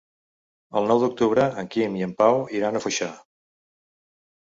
El nou d'octubre en Quim i en Pau iran a Foixà.